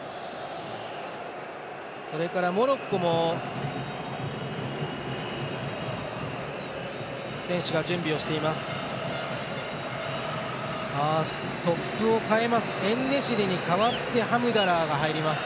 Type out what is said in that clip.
モロッコも選手が準備をしています。